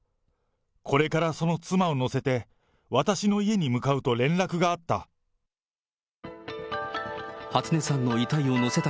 これからその妻を乗せて、私の家に向かうと連絡があった。